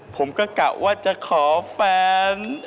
กะว่าจะขอแฟน